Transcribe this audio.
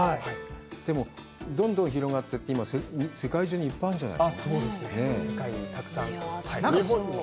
でも、どんどん広がっていって、今、世界中にいっぱいあるんじゃない？